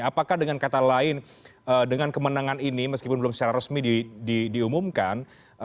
apakah dengan kata lain dengan kemenangan ini meskipun belum secara resmi diumumkan